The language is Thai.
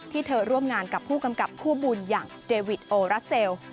เธอร่วมงานกับผู้กำกับคู่บุญอย่างเดวิดโอรัสเซลล์